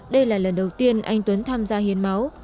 đây là lần đầu tiên anh tuấn tham gia hiến máu